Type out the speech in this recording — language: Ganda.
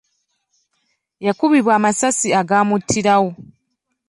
Yakubibwa amasasi agaamuttirawo.